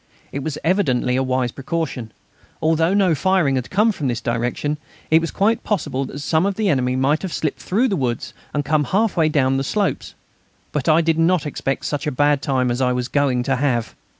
It was evidently a wise precaution. Although no firing had come from this direction, it was quite possible that some of the enemy might have slipped through the woods that come half way down the slopes. But I did not expect such a bad time as I was going to have.